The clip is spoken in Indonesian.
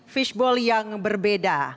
fishbowl yang berbeda